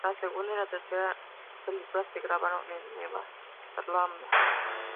La segunda y tercera películas se grabaron en Nueva Zelanda.